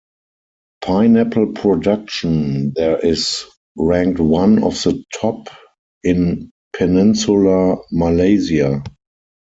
Pineapple production there is ranked one of the top in Peninsular Malaysia.